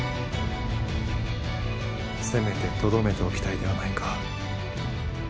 せめてとどめておきたいではないか。